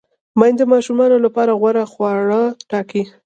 میندې د ماشومانو لپاره غوره خواړه ټاکي۔